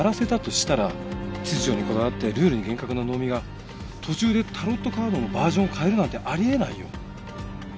秩序にこだわってルールに厳格な能見が途中でタロットカードのバージョンを変えるなんてあり得ないよ。